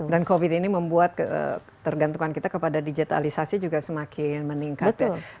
dan covid ini membuat tergantungan kita kepada digitalisasi juga semakin meningkat